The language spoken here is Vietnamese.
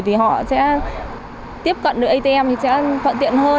thì họ sẽ tiếp cận được atm thì sẽ thuận tiện hơn